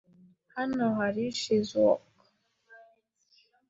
Hano hari Shizuoka